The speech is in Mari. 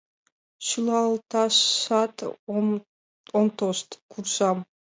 Шӱлалташат ом тошт, куржам.